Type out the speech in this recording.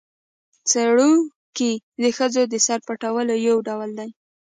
ځړوکی د ښځو د سر پټولو یو ډول دی